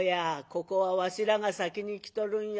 ここはわしらが先に来とるんや。